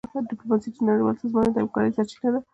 ډيپلوماسي د نړیوالو سازمانونو د همکارۍ سرچینه ده.